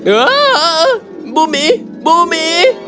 oh bumi bumi